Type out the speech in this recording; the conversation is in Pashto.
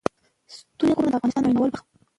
ستوني غرونه د افغانستان د بڼوالۍ برخه ده.